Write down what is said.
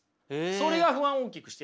それが不安を大きくしている原因。